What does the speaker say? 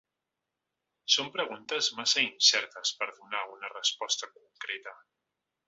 Són preguntes massa incertes per a donar una resposta concreta.